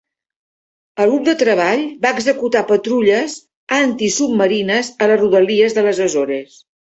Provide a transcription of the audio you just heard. El grup de treball va executar patrulles antisubmarines a les rodalies de les Açores.